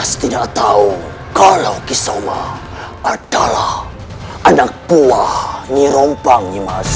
kisoma tidak tahu kalau kisoma adalah anak buah nyirompang nyimas